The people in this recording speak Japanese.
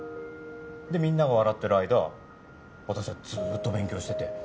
でみんなが笑ってる間私はずーっと勉強してて。